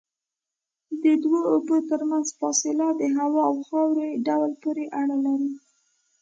د دوو اوبو ترمنځ فاصله د هوا او خاورې ډول پورې اړه لري.